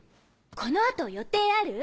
この後予定ある？